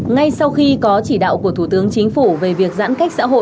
ngay sau khi có chỉ đạo của thủ tướng chính phủ về việc giãn cách xã hội